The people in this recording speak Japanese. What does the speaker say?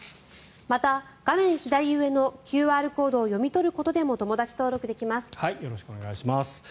また、画面左上のＱＲコードを読み取ることでもよろしくお願いします。